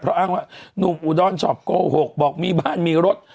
เพราะอ้างว่าหนุ่มอุดรชอบโกหกบอกมีบ้านมีรถ